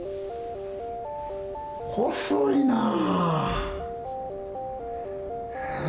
細いなぁ。